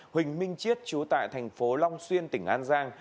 huỳnh minh chiết chú tại thành phố long xuyên tỉnh an giang